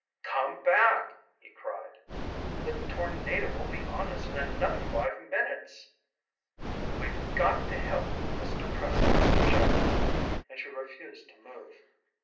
"Come back!" he cried. "The tornado will be on us in another five minutes!" "We've got to help Mr. Preston," shouted Helen, and she refused to move.